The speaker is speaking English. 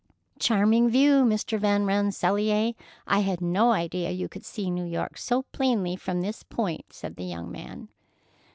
"Charming view, Mr. Van Rensselaer. I had no idea you could see New York so plainly from this point," said the young man.